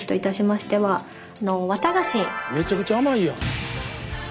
めちゃくちゃ甘いやん。